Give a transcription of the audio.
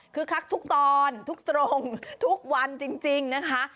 คือคักทุกตอนทุกตรงทุกวันจริงนะคะ